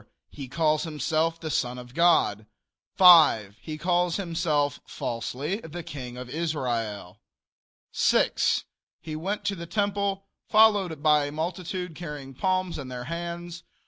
He calls himself the son of God. 5. He calls himself, falsely, the King of Israel. 6. He went to the temple followed by a multitude carrying palms in their hands.